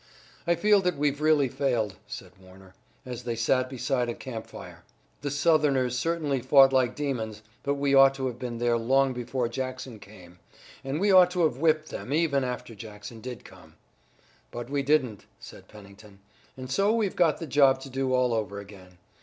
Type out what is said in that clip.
"I feel that we've really failed," said Warner, as they sat beside a camp fire. "The Southerners certainly fought like demons, but we ought to have been there long before Jackson came, and we ought to have whipped them, even after Jackson did come." "But we didn't," said Pennington, "and so we've got the job to do all over again.